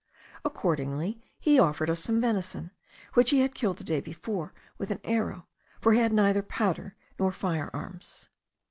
Accordingly he offered us some venison, which he had killed the day before with an arrow, for he had neither powder nor fire arms.